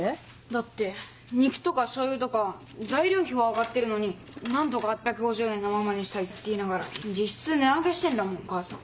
だって肉とか醤油とか材料費は上がってるのに何とか８５０円のままにしたいって言いながら実質値上げしてんだもん母さん。